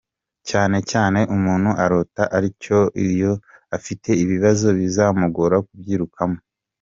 Cyane cyane umuntu arota atyo iyo afite ibibazo bizamugora kubyikuramo.